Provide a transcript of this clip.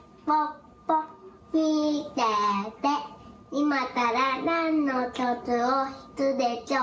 いまからなんのきょくをひくでしょう。